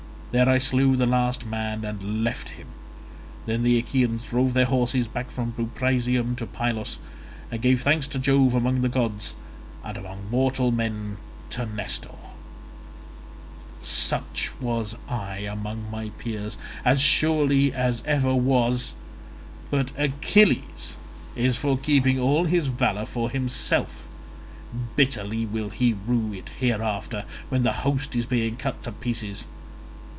There I slew the last man and left him; then the Achaeans drove their horses back from Buprasium to Pylos and gave thanks to Jove among the gods, and among mortal men to Nestor. "Such was I among my peers, as surely as ever was, but Achilles is for keeping all his valour for himself; bitterly will he rue it hereafter when the host is being cut to pieces.